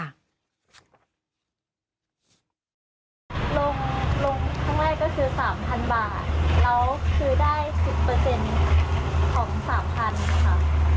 ลงลงทั้งแรกก็คือสามพันบาทแล้วคือได้สิบเปอร์เซ็นต์ของสามพันค่ะ